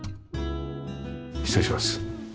失礼します。